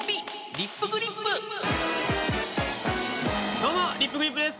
どうもリップグリップです。